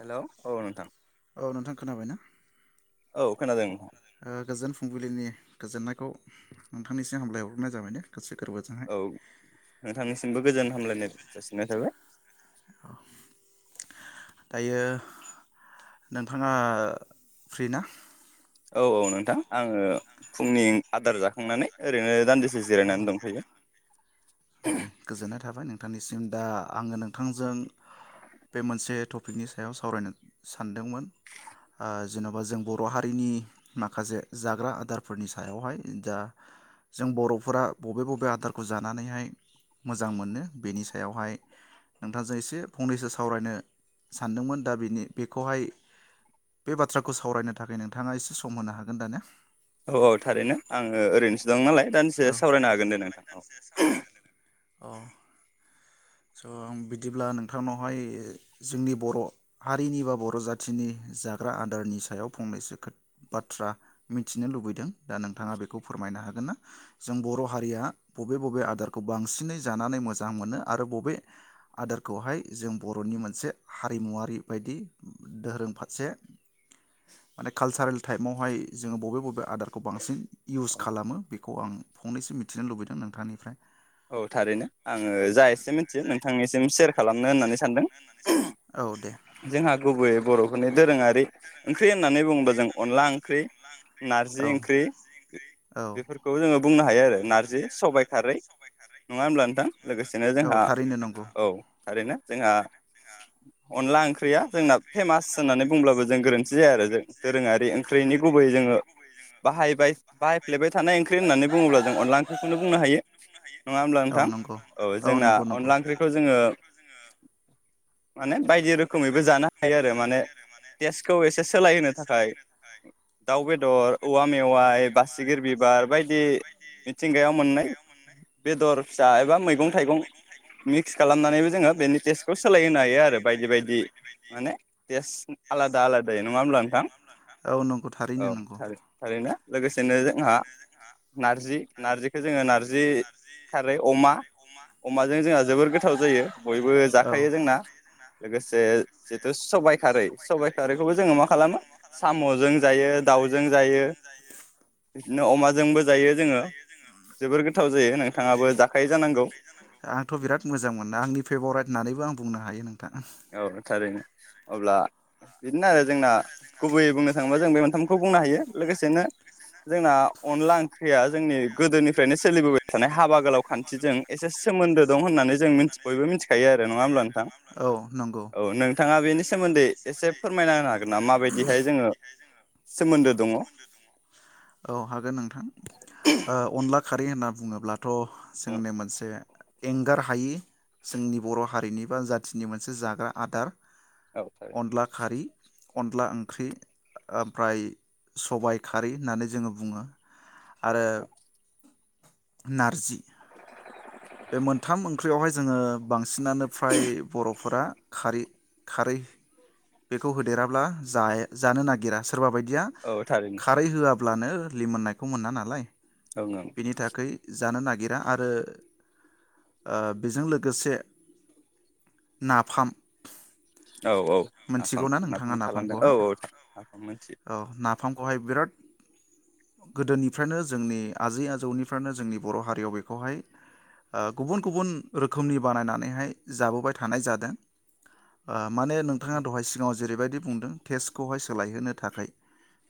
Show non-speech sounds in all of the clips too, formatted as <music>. Hello औ नोंथां। औ नोंथां खोनाबाय ना? औ खोनादों। ओ गोजोन फुंबिलिनि गोजोननायखौ नोंथांनिसिम हामलायहर ग्रोनाय जाबाय ने गासै औ नोंथांनिसिमबो गोजोन हामलायनाय जासिनाय थाबाय। दायो नोंथाङा फ्रि ना? औ औ नोंथां आङो फुंनि आदार जाखांनानै ओरैनो दान्दिसे जिरायनानै दंथोयो। दे गोजोननाय था थाबाय नोंथांनिसिम दा आङो नोंथांजों बे मोनसे टपिकनि सायाव सावरायनो सानदोंमोन ओ जेन'बा जों बर' हारिनि माखासे जाग्रा आदारफोरनि सायावहाय दा जों बर'फोरा बबे बबे आदारखौ जानानैहाय। मोजां मोनो बेनि सायावहाय नोंथांजों एसे फंनैसो सावरायनो सानदोंमोन दा बेनि बेखौहाय बे बाथ्राखौ सावरायनो थाखाय नोंथाङा एसे सम होनो हागोन दा ना? औ औ थारैनो आङो ओरैनोसो दं नालाय। दानदिसे सावरायनो हागोन दे नोंथां औ। अ। स' आं बिदिब्ला नोंथांनावहाय जोंनि बर' हारिनि बा बर' जाथिनि जाग्रा आदारनि सायाव फंनैसो खो बाथ्रा मिथिनो लुबैदों दा नोंथाङा बेखौ फोरमायनो हागोन ना जों बर' हारिया बबे बबे आदारखौ बांसिनै जानानै मोजां मोनो। आरो बबे आदारखौहाय जों बर'नि मोनसे हारिमुवारि बायदि धोरोम फारसे माने कालसारेल टाइपावहाय जोङो बबे बबे आदारखौ बांसिन इउस खालामो बेखौ आं फंनैसो मिथिनो लुबैदों नोंथांनिफ्राय। औ थारैनो आङो। जा एसे मिथियो नोंथांनिसिम सेयार खालामनो होननानै सानदों। जोंहा गुबैयै बर' दोरोङारि ओंख्रि होननानै बुङोबा जों अनला ओंख्रि। नारजि ओंख्रि बेफोरखौ जोङो बुंनो हायो आरो नारजि सबाइ खारै नङा होनब्ला नोंथां। लोगोसेनो जोंहा औ। ओरैनो जोंहा अनला ओंख्रिया जोंना फेमास होननानै बुंब्लाबो जों गोरोन्थि जाया आरो जों दोरोङारि ओंख्रिनि गुबैयै जोङो बाहायबाय बाहायफ्लेबाय थानाय ओंख्रि होननानै बुङोब्ला जों अनला ओंख्रिखौनो बुंनो हायो। नङा होमब्ला नोंथां औ जोंना अनला ओंख्रिखौ जोङो माने बायदि रोखोमैबो जानो हायो आरो माने टेस्टखौ एसे सोलायहोनो थाखाय दाउ बेद <unintelligible> औवा मेवाइ बासिगिर बिबार बायदि मिथिंगायाव मोननाय बेदर फिसा एबा मैगं थाइगं मिक्स खालामनानैबो जोङो बेनि टेस्टखौ सोलायहोनो हायो आरो बायदि बायदि माने टेस्ट आलादा आलादै नङा होमब्ला नोंथां औ थारैनो। लोगोसेनो जोंहा नारजि नारजिखौ जोङो नारजि खारै अमा अमाजों जोंहा जोबोर गोथाव जायो बयबो जाखायो जोंना लोगोसे जेथ' सबाइ खारै सबाइ खारैखौबो जोङो मा खालामो साम'जों जायो दाावजों जायो बिदिनो अमाजोंबो जायो जोङो जोबोर गोथाव जायो नों आंथ' बिराद मोजां मोनो आंनि फेभरेट होननानैबो आं बु बुंनो हायो नों औ थारैनो। अब्ला बिदिनो आरो जोंना गुबैयै बुंनो थाङोबा जों बे मोनथामखौ बुंनो हायो लोगोसेनो जोंना अनला ओंख्रिया जोंनि गोदोनिफ्रायनो सोलिबोबाय थानाय हाबा गोलाव खान्थिजों एसे सोमोन्दो दं होननानै जोंथि बयबो मिथिखायो आरो नङा होमब्ला नोंथां? औ नोंथाङा बेनि सोमोन्दै एसे फोरमायना होनो हागोन ना माबायदिहाय जोङो सोमोन्दो दङ? औ हागोन नोंथां ओ अनला खारै होनना बुङोब्ला थ' जोंनि मोनसे एंगार हायि जोंनि बर' हारिनि बा जाथिनि मोनसे जाग्रा आदार। औ थारै अनला ओंख्रि ओफ्राय सबाय खारि होननानै जोङो बुङो। आरो नारजि बे मोनथाम ओंख्रियावहाय जोङो बां सिनानो फ्राय बर'फोरा खारै खारै बेखौ होदेराब्ला जा-जानो नागिरा सोरबा बायदिया खारै होआ अब्लानो लिमोननायखौ मोना नालाय। बिनि थाखै जानो नागिर नागिरा आरो ओ बेजों लोगोसे नाफाम औ औ नाफाम नाफाम आ थालांदों औ औ <unintelligible> गोदोनिफ्रायनो जोंनि आजै आजौनिफ्रायनो जोंनि बर' हारियाव बेखौहाय ओ गुबुन गुबुन रोखोमनि बानायनानैहाय जाबोबाय थानाय जादों ओ माने नोंथाङा दहाय सिगाव जेरैबायदि बिदि बुंदों टेस्सखौहाय सोलायहोनो थाखै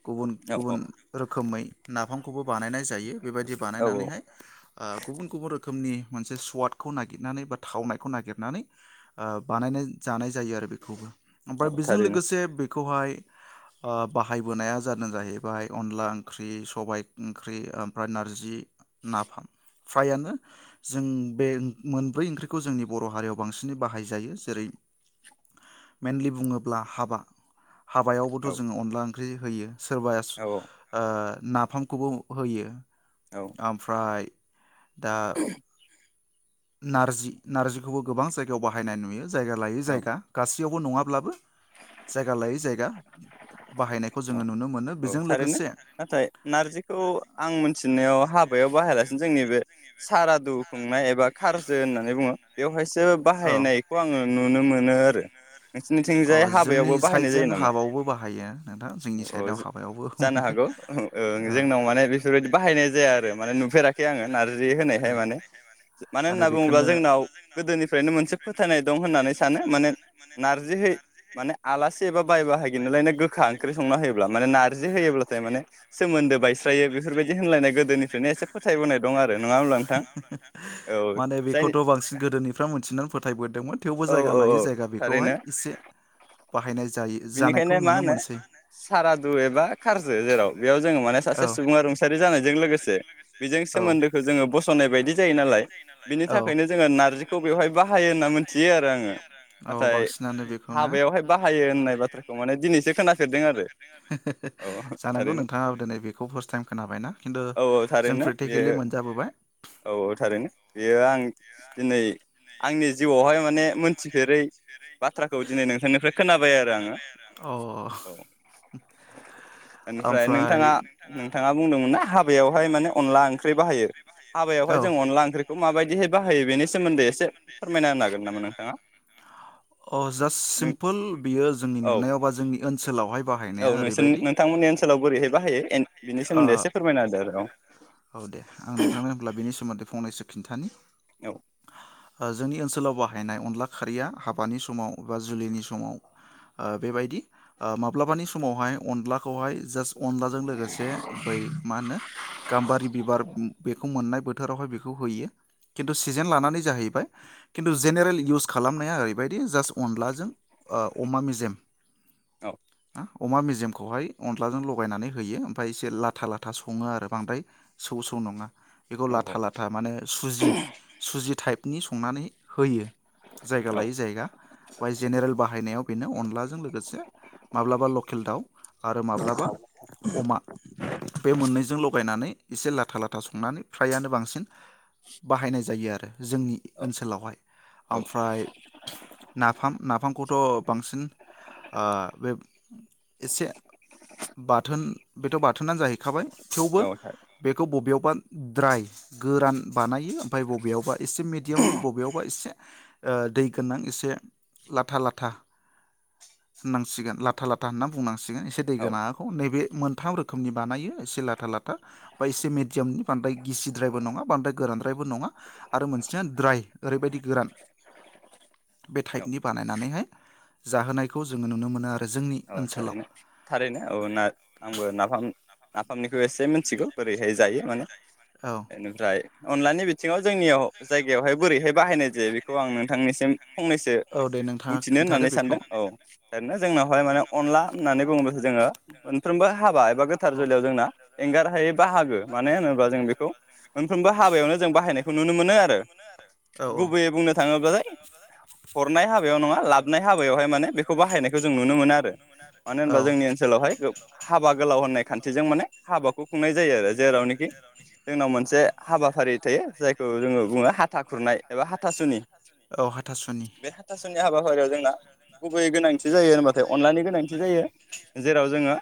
गुबुन गुबुन रोखोमै नाफामखौबो बानायनाय जायो बेबायदि बानायनानैहाय ओ गुबुन गुबुन रोखोमनि मोनसे स्वादखौ नागिरनानै बा थावनायखौ नागिरनानै ओ बानायनाय जानाय जायो आरो बेखौ। ओमफाय बेजों लोगोसे बेखौहाय ओ बाहायबोनाया जादों जाहैबाय अनला ओंख्रि सबबाय ओंख्रि ओमफ्राय नारजि नाफाम फ्रायानो जों बे मोनब्रै ओंख्रिखौ जोंनि बर' हारियाव बांसिनै बाहायजायो जेरै मेइनलि बुङोब्ला हाबा हाबायावबोथ जों अनला ओंख्रि होयो। सोरबाया ओ नाफामखौबो होयो ओमफ्राय दा नारजि नारजिखौबो गोबां जायगायाव बाहायनाय नुयो। जायगा लायै जायगा गासि नङाब्लाबो जायगा लायै जायगा औ औ थारैनो नाथाय नारजिखौ आं मिथिनायाव हाबायाव बाहायालासिनो जोंनि बे सारादु खुंनाय एबा खारजो होननानै बुङो बेवहाय बेसो बाहायनायखौ आङो नुनो मोनो आरो अ जोंनि साइडजों हाबायावबो बाहायो ओ जानो हागौ ओ जोंनाव माने बेफोरबायदि बाहायनाय जाया आरो माने नुफेराखै आङो नार्जि होनायहाय माने मानो होनना बुङोब्ला जोंनाव गोदोनिफ्रायनो मोनसे फोथायनाय दं होननानै सानो माने नारजि होइ माने आला थैबाब बाय बाहायगोन नालाय नो गोखां गोखा ओंख्रि संना होयोब्ला माने नारजि होयोब्लाथाय माने सोमोन्दो बायस्रायो बेफोरबायदि होनलायनाय गोदोनिफ्रायनो एसे फोथायबोनाय दं आरो नङा होमब्ला नोंथां माने बिखौथ बांसिन गोदोनिफ्रा मोनथिना फोथायबोदों। थेवबो जायगा लायो जायगा बेखौहाय एसे बाहायनाय बेनिखायनो मा होनो सारादु एबा खारजो जेराव बेयाव जों माने सासे सुबुङा रुंसारि जानायजों लोगोसे औ सोमोन्दोखौ जोङो बस'नाय बायदि जायो नालाय औ बिनि थाखायनो जोङो नारजिखौ बेवहाय बाहायो होनना मिथियो आरो आङो नाथाय हाबायावहाय बाहायो होननाय होयो होननाय बाथ्राखौ माने दिनैसो खोनाफेरदों आङो जानांगौ नोंथाङा औ औ थारैनो बे औ औ थारैनो बेयो आं दिनै आंनि जिउआवहाय माने मोनथिफेरै बाथ्राखौ दिनै नोंथांनिफ्राय खोना बाय आरो आङो अ बेनिफ्राय नोंथाङा नोंथाङा बुंदोंमोन ना हा हाबायावहाय माने अदला ओंख्रि बाहायो औ हाबायावहाय जों अनला ओंख्रिखौ माबायदिहाय बाहायो बेनि सोमोन्दै एसे फोरमायना होनो हागोन नामा नोंथाङा? वह जास्त सिमपोल बियो जोंनि नुनायबा जों ओन सोलावहाय औ नोंसोनि नोंथांमोननि ओनसोलाव बोरैहाय बाहायो एन बिनि सोमोन्दै एसे फोर एसे फोरमायना होदो औ दे आं नोंथांनो होनब्ला बेनि सोमोन्दै फंनैसो खिन्थानि। ओ जोंनि ओनसो सोलाव बाहायनाय अनला खारैया हाबानि समाव बा जुलिनि समाव ओ बेबायदि ओ माब्लाबानि समावहाय अनलाखौहाय जास्ट अनलाजों लोगोसे बै मा होनो गाम्बारि बिबार उम बेखौ मोननाय बोथोरावहाय बेखौ होयो खिन्थु सिजेन लानानै जाहैबाय खिन्थु जेनेरेल इउस खालामनाया ओरैबायदि जास्ट अनलाजों ओ अमा मेजेम। औ अमा मेजेमखौहाय अनद्लाजों लगायनानै होयो ओमफाय एसे लाथा लाथ था सङो आरो बांद्राय सौ सौ नङा। बेखौ लाथा लाथा माने सुजि सुजि थाइप। नि संनानै होयो। जायगा लायै जायगा बाय जेनेरेल बाहायनायाव बेनो अनलाजों लोगोसे माब्लाबा लकेल दाउ आरो माब्लाबा अमा। मोननैजों लगायनानै इसे लाथा लाथा संनानै फ्रायानो बांसिन बाहायनाय जायो आरो जोंनि ओनसोलावहाय। ओमफ्राय नाफाम नाफामखौथ' बांसिन ओ बे एसे बाथोन बेथ' बा थोना जाहैखाबाय थेवबो बेखौ बबेयावबा द्राय गोरान बानायो ओमफाय बबेयावबा एसे मिडियामनि बबेयावबा एसे ओ दै गोनां एसे लाथा लाथा होननांसिगोन लाथा लाथा होनना बुंनां सिगोन एसे दै गोनाङाखौ नैबे मोनथाम रोख खोमनि बानायो एसे लाथा लाथा बा एसे मिडियामनि बांद्राय गिसिद्रायबो नङा बांद्राय गोरानद्रायबो नङा आरो मोनसेया द्राय ओरैबायदि गोरान बे थाइपनि बानायनानैहाय जाहोनायखौ जोङो नुनो मोनो आरो जोंनि औ थारैनो थारैनो औ ना आंबो नाफाम नाफामनिखौ एसे मिथिगौ बोरैहाय जायो माने। एनेफ्राय अनलानि बिथिङाव जोंनियाव जायगायावहाय बोरैहाय बाहायनाय जायो बेखौ आं नोंथांनिसिम फंनैसो बुंथिनो होननानै सानदों औ ओरैनो जोंनावहाय अनला होननानै बुङोब्ला <unintelligible> जोङो मोनफ्रोमबो हाबा एबा गोथार जुलियाव जोंना एंगार हायै बाहागो मानो होनोब्ला जों बेखौ मोनफ्रोमबो हाबायावनो जों बाहायनायखौ नुनो मोनो आरो। गुबैयै बुंनो थाङोब्लाथाय हरनाय हा बेल' नङा ला बनाय हाबायावहाय माने बेखौ बाहायनायखौ जों नुनो मोनो आरो। मानो होनबा जोंनि ओनसोलावहाय हाबा गोलाव होननाय खान्थिजों माने हाबाखौ खुंनाय जायो आरो जेरावनोखि जोंनाव मोनसे हाबाफारि थायो जायखौ जोङो बुङो हाथा खुरनाय एबा हाथासुनि बे हाथासुनि हाबाफारियाव जोंना गुबैयै गोनांथि जायो होनबाथाय अनलानि गोनां थि जायो जेराव जोङो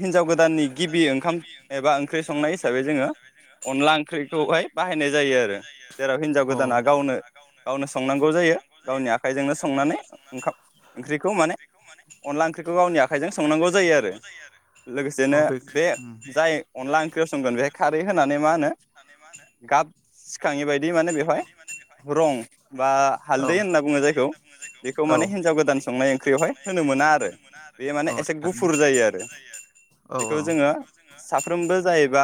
हिनजाव गोद अ खौ गावनि आखाइजों संनांगौ जायो आरो लोगोसे बे जाय अनला ओंख्रियाव संगोन बेहाय खारै होनानै मा होनो गाब सिखाङि बायदि माने बेवहाय रं बा हालदै होनना बुङो जायखौ बेखौ माने हिनजाव गोदान संनाय ओंख्रियावहाय होनो मोना आरो। बे माने एसे गुफुर जायो आरो। बेखौ जोङो साफ्रोमबो जाहैबा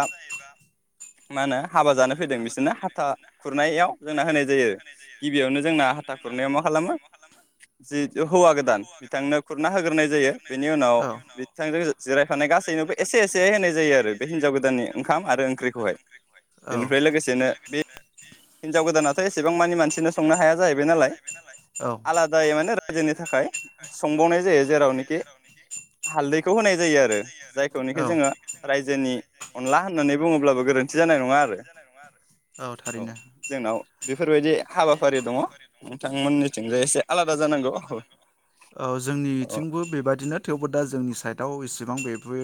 मा होनो हाबा जानो फैदों बिसोरनो हाथा खुरनायाव जोंना होनाय जायो गिबियावनो जोंना हाथा खुरनायाव मा खालामो जि हौवा गोदान बिथांनो खुरना होग्रोनाय जायो बेनि उनाव बिथां जों जिरायफानाय गासैबोनोबो एसे एसे होनाय जायो आरो बे हिनजाव गोदाननि ओंखाम आरो ओंख्रिखौ हाय इनिफाय बेनो बे हिनजाव गोदानाथ' एसेबां मानि मानसिनो संनो हाया जाहैबाय नालाय आलादायै माने रायजोनि थाखाय संबावनाय जायो जेरावनि बे हालदैखौ होनाय जायो आरो जायखौनोखि जोङो रायजोनि अनला होननानै बुङोब्लाबो गोरोन्थि जानाय नङा आरो। औ थारैनो बेफोरबायदि हाबाफारि दङ नोंथांमोननि थिंजाय इसे औ जोंनिथिंबो बेबा दिनो थेवबो दा जोंनि साइडआव इसेबां बेबो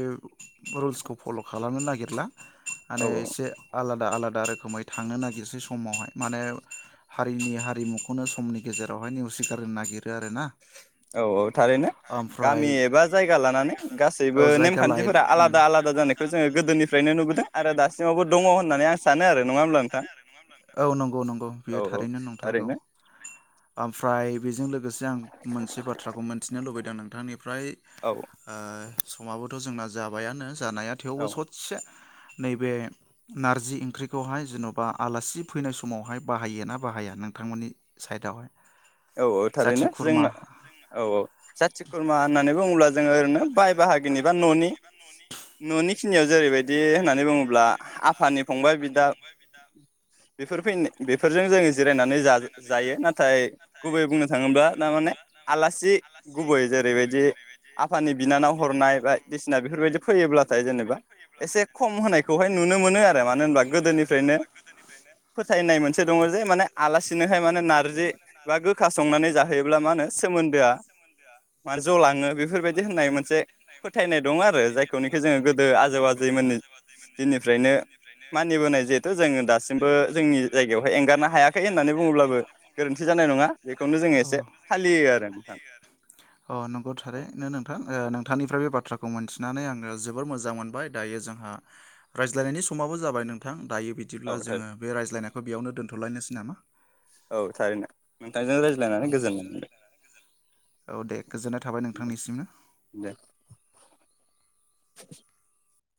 रुल्सखौ फल' खालामनो नागिरला। माने एसे आला आलादा आलादा रोखोमै थांनो नागिरसै समावहाय माने हारिनि हारिमुखौनो समनि गेजेरावहाय नेव सिगारनो नागिरो आरो ना। औ औ थारैनो गामि एबा जायगा लानानै गासैबो नेमखान्थिफोरा आलादा आलादा जानायखौ जोङो गोदोनिफ्रायनो नुबोदों। आरो दासिमावबो दङ होननानै आं सानो आरो नङा होमब्ला नोंथां? औ नंगौ नंगौ बेयो थारैनो नंथारगौ। ओमफ्राय बेजों लो लोगोसे आं मोनसे बाथ्राखौ मोनथिनो लुबैदों नोंथांनि। ओमफ्राय ओ। समाबोथ' जोंना जाबायानो। जानाया थेवबो ससे। नैबे नारजि ओंख्रिखौहाय जेन'बा आलासि फैनाय समावहाय बाहायो ना बाहाया नोंथांमोननि साइड दावहाय। औ औ थारैनो जोंना औ औ जाथि खुरमा होननानै बुङोब्ला जों जोङो ओरैनो बाय बाहागिनि बा न'नि न'नि खिनियाव जेरैबायदि होननानै बुङोब्ला आफानि फंबाय बिदा बेफोर फैनो बेफोरजों जोङो जिरायनानै जा जायो नाथाय। गुबैयै बुंनो थाङोब्ला दामाने आलासि गुबै जेरैबायदि आफानि बिनानाव हरनाय बायदिसिना बेफोरबायदि फैयोब्लाथाय जेनेबा एसे खम होनायखौहाय नुनो मोनो आरो मानो होनबा गोदोनिफ्रायनो फोथायनाय मोनसे दङ जे माने आलासिनोहाय माने नारजि बा गोखा संनानै जाहोयोब्ला मा होनो सोमोन्दोआ मा जलाङो बेफोरबायदि होननाय मोनसे फोथायनाय दं आरो जायखौनिखि जोङो गोदो आजौ आजैमोननि दिननिफ्रायनो मानिबोनाय जिहेथु जोङो दासिमबो जोंनि जायगायावहाय एंगारनो हायाखै होननानै बुङो। ब्लाबो गोरोन्थि नंगौ थारै नोंथां नोंथांनिफ्राय बे बाथ्रा खौ मोनथिनानै आङो जोबोर मोजां मोनबाय दायो जोंहा रायज्लायनायनि समाबो जाबाय नोंथां दायो। बिदिब्ला जोङो बे रायज्लायनाय बे बेयावनो दोनथ'लायनोसै नामा? औ थारैनो नों औ दे औ दे गोजोननाय थाबाय नोंथांनिसिमनो। <inaudible>